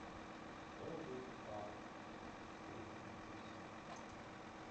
Kvēldiegs pārdedzis, slīgstam tumsā.